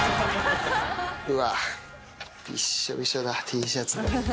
うわ、びっしょびしょだ、Ｔシャツが。